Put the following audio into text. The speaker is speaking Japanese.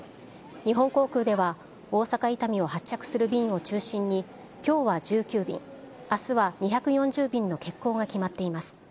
日本航空では、大阪・伊丹を発着する便を中心に、きょうは１９便、あすは２４０便の欠航が決まっています。